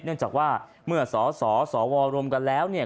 เนื่องจากว่าเมื่อสสวรวมกันแล้วเนี่ย